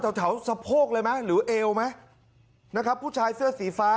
แถวแถวสะโพกเลยไหมหรือเอวไหมนะครับผู้ชายเสื้อสีฟ้า